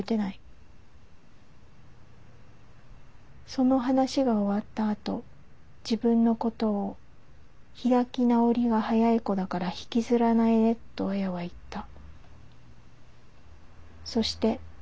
「その話が終わったあと自分のことを『開き直りが早い子だから引きずらないね』と亜矢はいった」。